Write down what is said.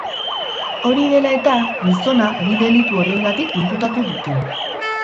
Hori dela eta, gizona bi delitu horiengatik inputatu dute.